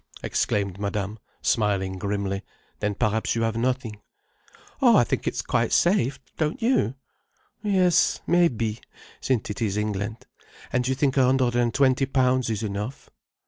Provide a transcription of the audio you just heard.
exclaimed Madame, smiling grimly. "Then perhaps you have nothing." "Oh, I think it's quite safe, don't you—?" "Yes—maybe—since it is England. And you think a hundred and twenty pounds is enough?"